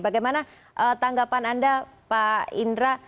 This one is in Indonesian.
bagaimana tanggapan anda pak indra